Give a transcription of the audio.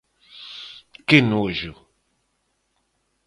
Que nojo...